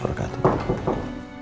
waalaikumsalam warahmatullahi wabarakatuh